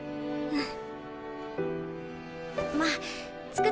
うん？